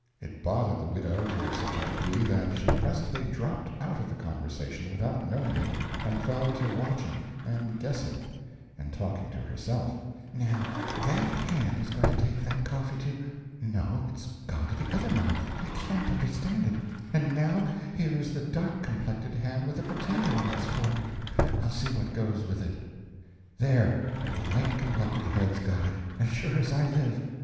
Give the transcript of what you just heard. It bothered the widow to such a degree that she presently dropped out of the conversation without knowing it, and fell to watching and guessing and talking to herself: "Now that hand is going to take that coffee to no, it's gone to the other mouth; I can't understand it; and Now, here is the dark complected hand with a potato in its fork, I'll see what goes with it there, the light complected head's got it, as sure as I live!"